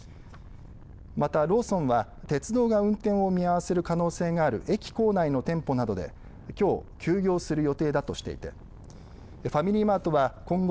またローソンは鉄道が運転を見合わせる可能性がある駅構内の店舗などで、きょう休業する予定だとしていてファミリーマートは今後